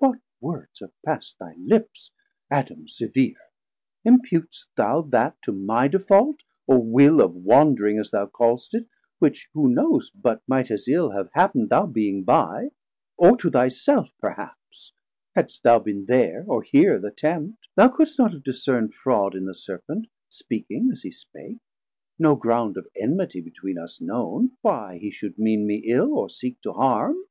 What words have past thy Lips, Adam severe, Imput'st thou that to my default, or will Of wandering, as thou call'st it, which who knows But might as ill have happ'nd thou being by, Or to thy self perhaps: hadst thou bin there, Or here th' attempt, thou couldst not have discernd Fraud in the Serpent, speaking as he spake; 1150 No ground of enmitie between us known, Why hee should mean me ill, or seek to harme.